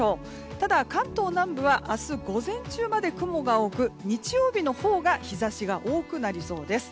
ただ、関東南部は明日、午前中まで雲が多く日曜日のほうが日差しが多くなりそうです。